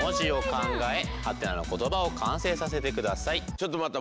ちょっと待った！